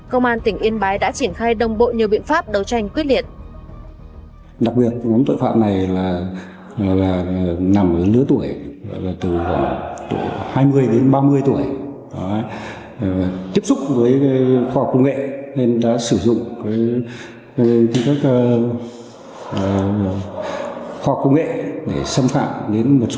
công an tỉnh yên bái đã triển khai đông bộ nhiều biện pháp đấu tranh quyết liệt